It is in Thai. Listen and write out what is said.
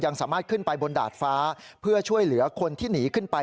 สามารถขึ้นไปบนดาดฟ้าเพื่อช่วยเหลือคนที่หนีขึ้นไป